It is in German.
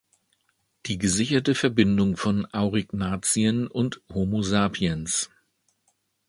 Die gesicherte Verbindung von Aurignacien und "Homo sapiens.